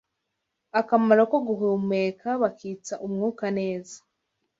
akamaro ko guhumeka bakitsa umwuka neza.